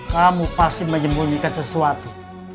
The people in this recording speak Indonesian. kamu pasti menyembunyikan sesuatu